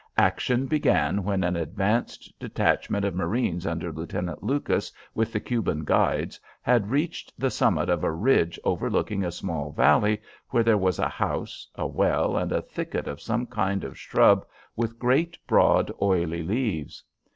Action began when an advanced detachment of marines under Lieutenant Lucas with the Cuban guides had reached the summit of a ridge overlooking a small valley where there was a house, a well, and a thicket of some kind of shrub with great broad, oily leaves.